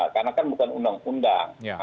karena kan bukan undang undang